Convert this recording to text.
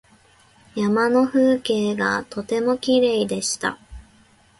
山の風景がとてもきれいでした。